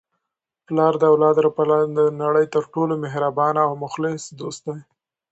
پلار د اولاد لپاره د نړۍ تر ټولو مهربانه او مخلص دوست دی.